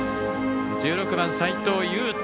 １６番、齋藤佑征。